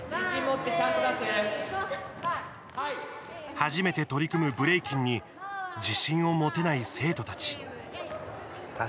初めて取り組むブレイキンに自信を持てない生徒たち。